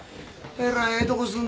えらいええとこ住ん